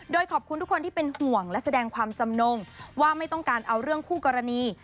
โดยขอบคุณทุกคนที่เป็นห่วงและแสดงความจำนงว่าไม่ต้องการเอาเรื่องคู่กรณี